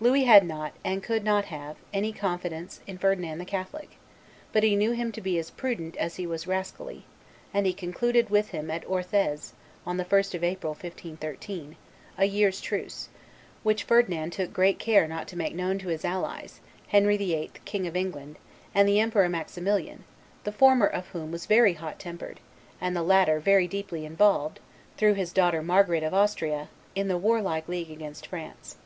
Louis had not, and could not have, any confidence in Ferdinand the Catholic; but he knew him to be as prudent as he was rascally, and he concluded with him at Orthez, on the 1st of April, 1513, a year's truce, which Ferdinand took great care not to make known to his allies, Henry VIII., King of England, and the Emperor Maximilian, the former of whom was very hot tempered, and the latter very deeply involved, through his daughter Marguerite of Austria, in the warlike league against France.